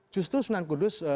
justru sunan kudus